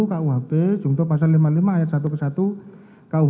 kuhp tentang pembunuhan